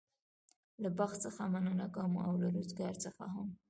له بخت څخه مننه کوم او له روزګار څخه هم.